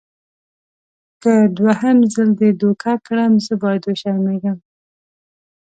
که دوهم ځل دې دوکه کړم زه باید وشرمېږم.